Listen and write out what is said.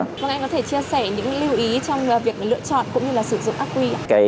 vâng anh có thể chia sẻ những lưu ý trong việc lựa chọn cũng như là sử dụng acq ạ